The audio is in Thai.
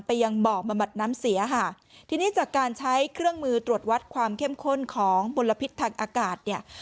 ยังบ่อบำบัดน้ำเสียค่ะทีนี้จากการใช้เครื่องมือตรวจวัดความเข้มข้นของมลพิษทางอากาศเนี่ย